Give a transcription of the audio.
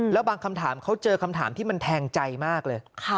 แล้วบางคำถามเขาเจอคำถามที่มันแทงใจมากเลย